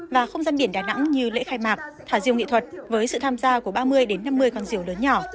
và không gian biển đà nẵng như lễ khai mạc thả diều nghị thuật với sự tham gia của ba mươi năm mươi con diều lớn nhỏ